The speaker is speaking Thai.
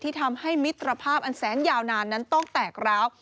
ทำให้มิตรภาพอันแสนยาวนานนั้นต้องแตกร้าว